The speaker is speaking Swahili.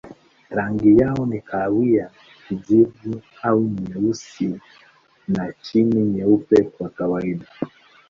Rangi yao ni kahawia, kijivu au nyeusi na chini nyeupe kwa kawaida.